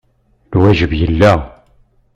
Lwajeb yella.